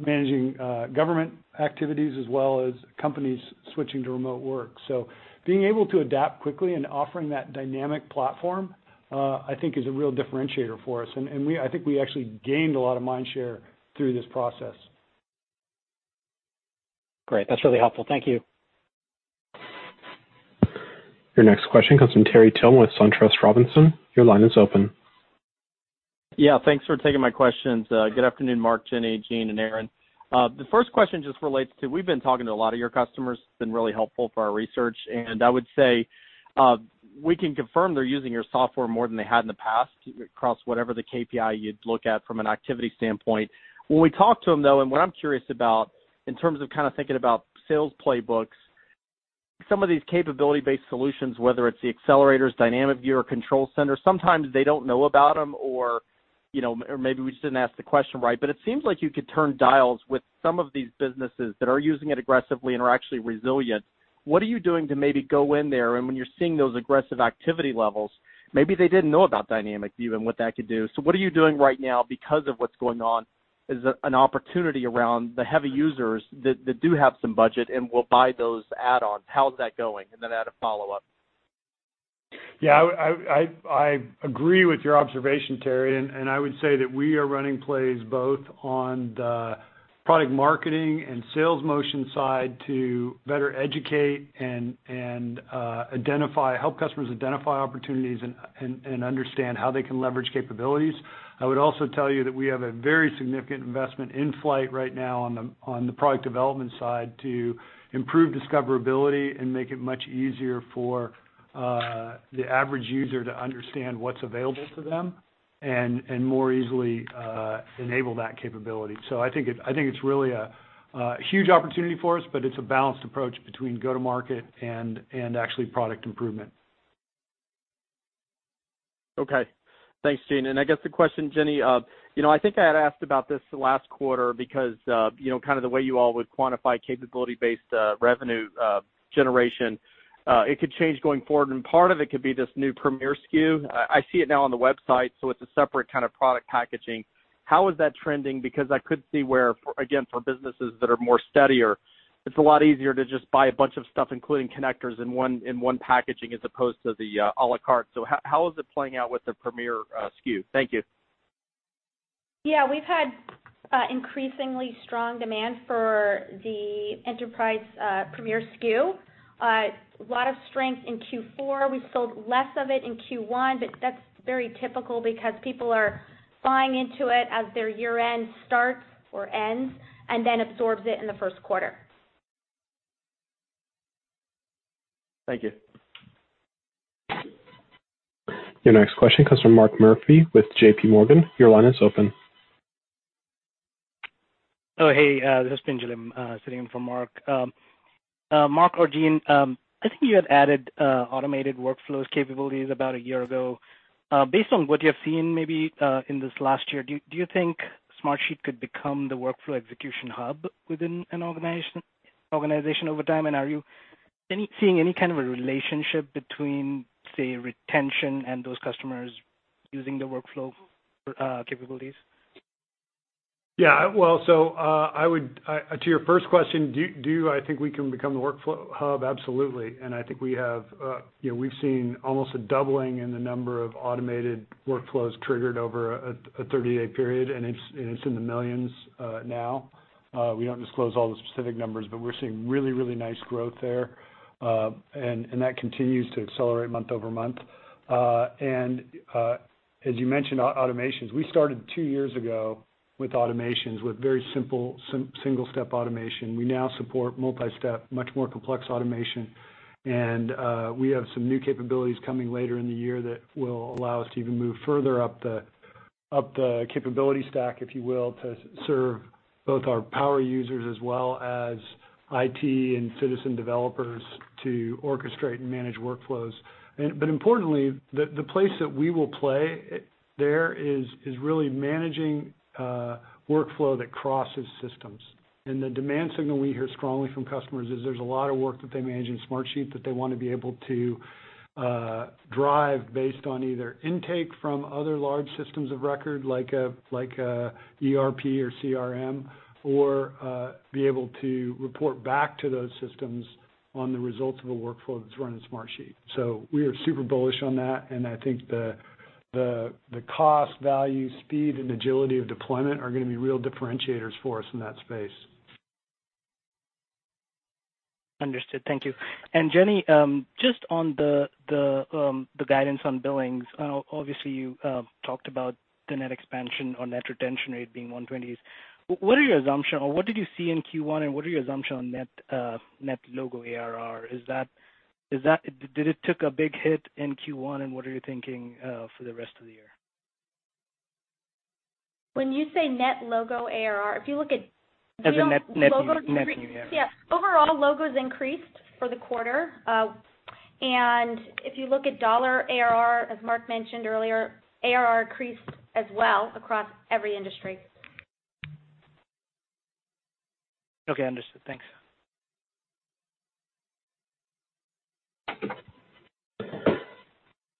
managing government activities as well as companies switching to remote work. Being able to adapt quickly and offering that dynamic platform, I think is a real differentiator for us. I think we actually gained a lot of mind share through this process. Great. That's really helpful. Thank you. Your next question comes from Terry Tillman with SunTrust Robinson. Your line is open. Yeah, thanks for taking my questions. Good afternoon, Mark, Jenny, Gene, and Aaron. The first question just relates to, we've been talking to a lot of your customers, it's been really helpful for our research. I would say, we can confirm they're using your software more than they had in the past across whatever the KPI you'd look at from an activity standpoint. When we talk to them, though, and what I'm curious about in terms of kind of thinking about sales playbooks, some of these capability-based solutions, whether it's the accelerators, Dynamic View or Control Center, sometimes they don't know about them or maybe we just didn't ask the question right. It seems like you could turn dials with some of these businesses that are using it aggressively and are actually resilient. What are you doing to maybe go in there, and when you're seeing those aggressive activity levels, maybe they didn't know about Dynamic View and what that could do. What are you doing right now because of what's going on as an opportunity around the heavy users that do have some budget and will buy those add-ons? How's that going? I had a follow-up. I agree with your observation, Terry, I would say that we are running plays both on the product marketing and sales motion side to better educate and help customers identify opportunities and understand how they can leverage capabilities. I would also tell you that we have a very significant investment in flight right now on the product development side to improve discoverability and make it much easier for the average user to understand what's available to them and more easily enable that capability. I think it's really a huge opportunity for us, but it's a balanced approach between go-to-market and actually product improvement. Okay. Thanks, Gene. I guess the question, Jenny, I think I had asked about this last quarter because kind of the way you all would quantify capability-based revenue generation, it could change going forward, part of it could be this new Premier SKU. I see it now on the website, it's a separate kind of product packaging. How is that trending? I could see where, again, for businesses that are more steadier, it's a lot easier to just buy a bunch of stuff, including connectors in one packaging as opposed to the à la carte. How is it playing out with the Premier SKU? Thank you. Yeah, we've had increasingly strong demand for the enterprise Premier SKU. A lot of strength in Q4. We sold less of it in Q1, but that's very typical because people are buying into it as their year-end starts or ends and then absorbs it in the first quarter. Thank you. Your next question comes from Mark Murphy with JPMorgan. Your line is open. Oh, hey, this is Pinjalim sitting in for Mark. Mark or Gene, I think you had added automated workflows capabilities about a year ago. Based on what you have seen maybe in this last year, do you think Smartsheet could become the workflow execution hub within an organization over time? Are you seeing any kind of a relationship between, say, retention and those customers using the workflow capabilities? Well, to your first question, do I think we can become the workflow hub? Absolutely. I think we've seen almost a doubling in the number of automated workflows triggered over a 30-day period, and it's in the millions now. We don't disclose all the specific numbers, we're seeing really, really nice growth there. That continues to accelerate month-over-month. As you mentioned, automations. We started two years ago with automations, with very simple single-step automation. We now support multi-step, much more complex automation. We have some new capabilities coming later in the year that will allow us to even move further up the capability stack, if you will, to serve both our power users as well as IT and citizen developers to orchestrate and manage workflows. Importantly, the place that we will play there is really managing workflow that crosses systems. The demand signal we hear strongly from customers is there's a lot of work that they manage in Smartsheet that they want to be able to drive based on either intake from other large systems of record, like ERP or CRM, or be able to report back to those systems on the results of a workflow that's run in Smartsheet. We are super bullish on that, and I think the cost, value, speed, and agility of deployment are going to be real differentiators for us in that space. Understood. Thank you. Jenny, just on the guidance on billings, obviously you talked about the net expansion or net retention rate being 120s. What are your assumption or what did you see in Q1, and what are your assumption on net logo ARR? Did it took a big hit in Q1, and what are you thinking for the rest of the year? When you say net logo ARR. As in net new, yeah. Yeah. Overall logos increased for the quarter. If you look at dollar ARR, as Mark mentioned earlier, ARR increased as well across every industry. Okay, understood. Thanks.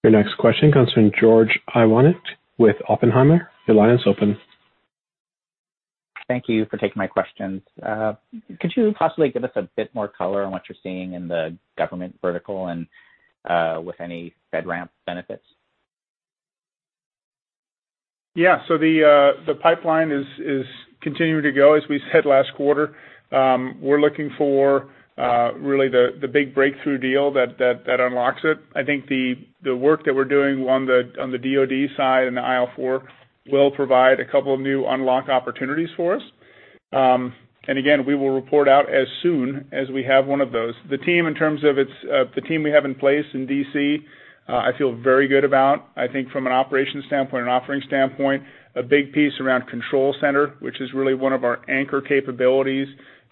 Your next question comes from George Iwanyc with Oppenheimer. Your line is open. Thank you for taking my questions. Could you possibly give us a bit more color on what you're seeing in the government vertical and with any FedRAMP benefits? Yeah. The pipeline is continuing to go, as we said last quarter. We're looking for really the big breakthrough deal that unlocks it. I think the work that we're doing on the DoD side and the IL-4 will provide a couple of new unlock opportunities for us. Again, we will report out as soon as we have one of those. The team we have in place in D.C., I feel very good about. I think from an operations standpoint and offering standpoint, a big piece around Control Center, which is really one of our anchor capabilities,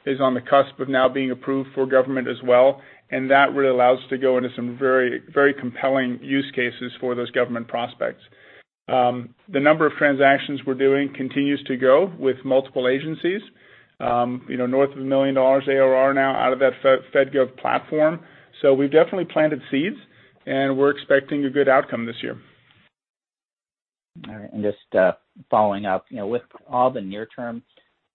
is on the cusp of now being approved for government as well. That really allows us to go into some very compelling use cases for those government prospects. The number of transactions we're doing continues to grow with multiple agencies. North of $1 million ARR now out of that Fed Gov platform. We've definitely planted seeds, and we're expecting a good outcome this year. All right. Just following up, with all the near-term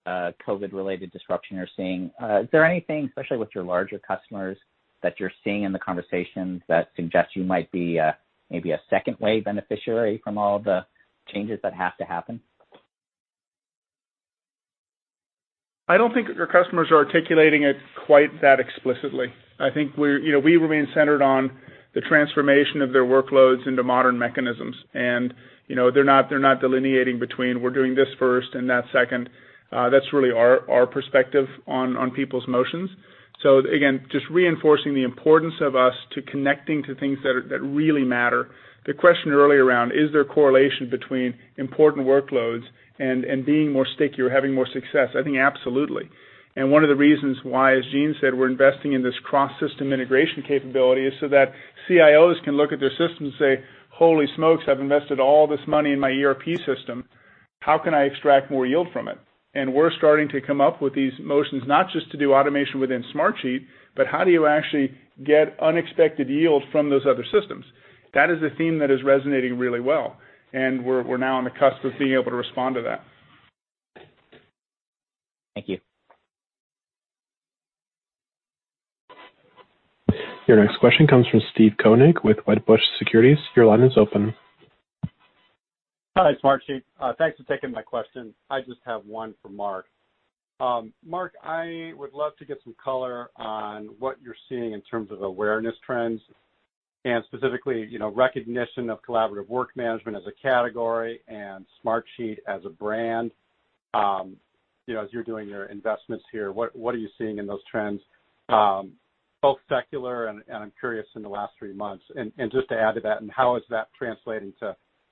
COVID-related disruption you're seeing, is there anything, especially with your larger customers, that you're seeing in the conversations that suggest you might be maybe a second-wave beneficiary from all the changes that have to happen? I don't think our customers are articulating it quite that explicitly. I think we remain centered on the transformation of their workloads into modern mechanisms. They're not delineating between we're doing this first and that second. That's really our perspective on people's motions. Again, just reinforcing the importance of us to connecting to things that really matter. The question earlier around, is there a correlation between important workloads and being more stickier, having more success? I think absolutely. One of the reasons why, as Gene Farrell said, we're investing in this cross-system integration capability is so that CIOs can look at their system and say, "Holy smokes, I've invested all this money in my ERP system. How can I extract more yield from it?" We're starting to come up with these motions, not just to do automation within Smartsheet, but how do you actually get unexpected yield from those other systems? That is a theme that is resonating really well, and we're now on the cusp of being able to respond to that. Thank you. Your next question comes from Steve Koenig with Wedbush Securities. Your line is open. Hi, Smartsheet. Thanks for taking my question. I just have one for Mark. Mark, I would love to get some color on what you're seeing in terms of awareness trends, and specifically, recognition of collaborative work management as a category and Smartsheet as a brand. As you're doing your investments here, what are you seeing in those trends, both secular, and I'm curious, in the last three months? Just to add to that, and how is that translating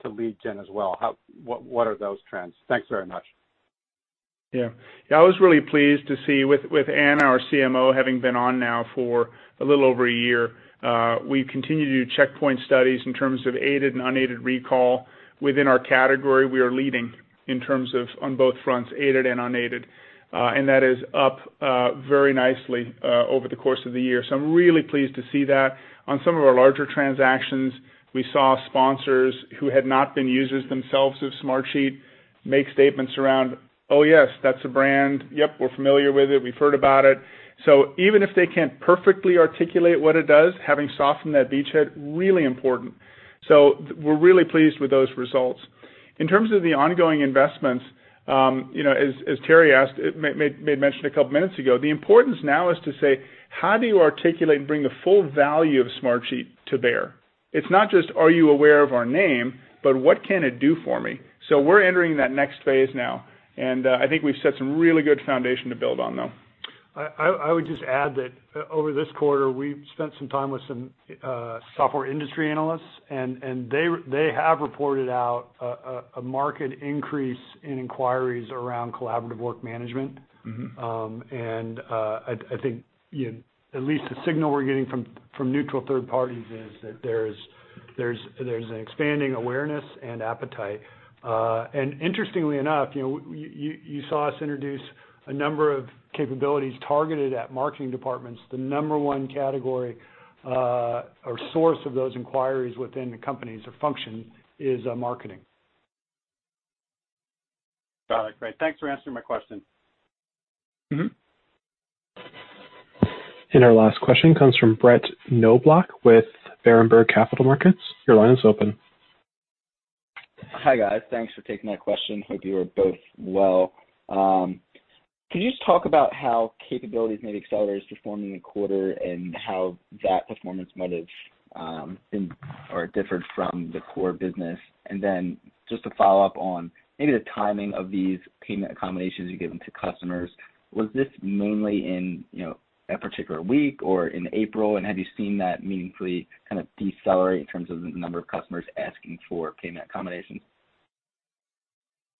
to lead gen as well? What are those trends? Thanks very much. I was really pleased to see, with Anne, our CMO, having been on now for a little over a year, we continue to do checkpoint studies in terms of aided and unaided recall. Within our category, we are leading in terms of on both fronts, aided and unaided. That is up very nicely over the course of the year. I'm really pleased to see that. On some of our larger transactions, we saw sponsors who had not been users themselves of Smartsheet make statements around, "Oh, yes, that's a brand. Yep, we're familiar with it. We've heard about it." Even if they can't perfectly articulate what it does, having softened that beachhead, really important. We're really pleased with those results. In terms of the ongoing investments, as Terry made mention a couple of minutes ago, the importance now is to say, how do you articulate and bring the full value of Smartsheet to bear? It's not just are you aware of our name, but what can it do for me? We're entering that next phase now, and I think we've set some really good foundation to build on, though. I would just add that over this quarter, we've spent some time with some software industry analysts, and they have reported out a market increase in inquiries around collaborative work management. I think at least the signal we're getting from neutral third parties is that there's an expanding awareness and appetite. Interestingly enough, you saw us introduce a number of capabilities targeted at marketing departments. The number one category, or source of those inquiries within the company as a function, is marketing. Got it. Great. Thanks for answering my question. Our last question comes from Brett Knoblauch with Berenberg Capital Markets. Your line is open. Hi, guys. Thanks for taking my question. Hope you are both well. Could you just talk about how Capabilities may be accelerated this foregoing quarter and how that performance might have differed from the core business? Just to follow up on maybe the timing of these payment accommodations you're giving to customers, was this mainly in a particular week or in April, and have you seen that meaningfully kind of decelerate in terms of the number of customers asking for payment accommodations?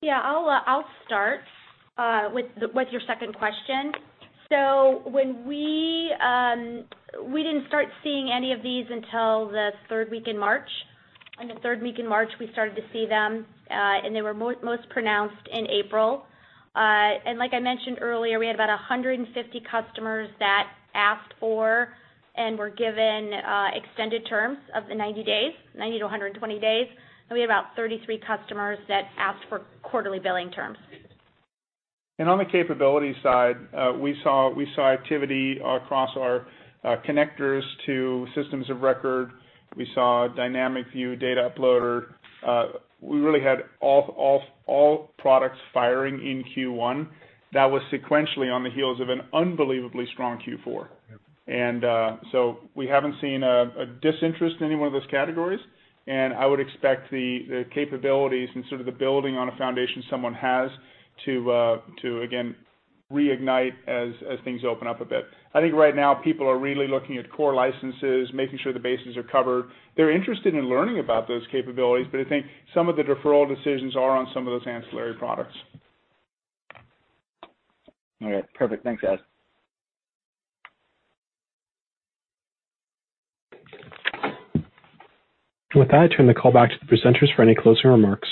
I'll start with your second question. We didn't start seeing any of these until the third week in March. In the third week in March, we started to see them, and they were most pronounced in April. Like I mentioned earlier, we had about 150 customers that asked for and were given extended terms of the 90 days, 90-120 days. We had about 33 customers that asked for quarterly billing terms. On the capability side, we saw activity across our connectors to systems of record. We saw Dynamic View, Data Shuttle. We really had all products firing in Q1. That was sequentially on the heels of an unbelievably strong Q4. We haven't seen a disinterest in any one of those categories. I would expect the capabilities and sort of the building on a foundation someone has to, again, reignite as things open up a bit. I think right now people are really looking at core licenses, making sure the bases are covered. They're interested in learning about those capabilities, but I think some of the deferral decisions are on some of those ancillary products. All right, perfect. Thanks, guys. With that, I turn the call back to the presenters for any closing remarks.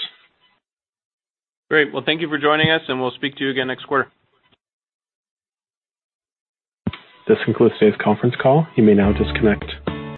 Great. Well, thank you for joining us, and we'll speak to you again next quarter. This concludes today's conference call. You may now disconnect.